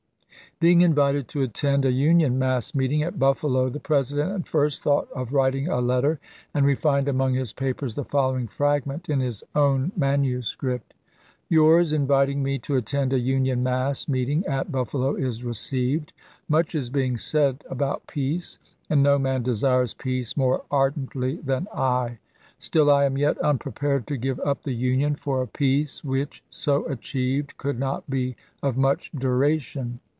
1864. Being invited to attend a Union mass meet ing at Buffalo, the President at first thought of writing a letter, and we find among his papers the following fragment in his own manuscript: Yours inviting me to attend a Union mass meeting at Buffalo is received. Much is being said about peace, and no man desires peace more ardently than I. Still I am yet unprepared to give up the Union for a peace which, so achieved, could not be of much duration.